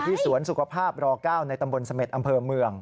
สวนสุขภาพร๙ในตำบลเสม็ดอำเภอเมือง